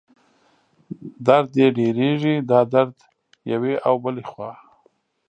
درد یې ډېرېږي، دا درد یوې او بلې خوا